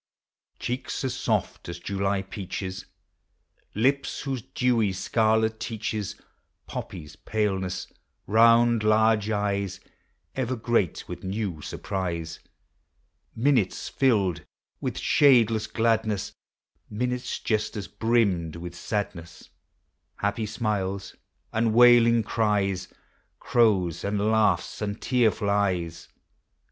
Cheeks as soft as July peaches; Lips whose dewy scarlet teaches Poppies paleness; round large eyes Ever great with new surprise; Miuutes filled with shadeless gladness; Minutes just as brimmed with sadness; Happy smiles and wailing cries; Crows, and laughs, and tearful eyes; 2 Digitized by Google POEMS OF HOME.